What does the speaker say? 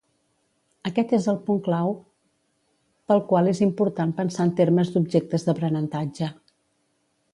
Aquest és el punt clau pel qual és important pensar en termes d'objectes d'aprenentatge.